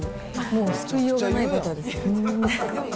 もう救いようがないバターですよ。